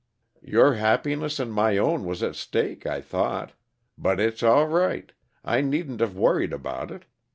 Your happiness and my own was at stake, I thought. But it's all right I needn't have worried about it.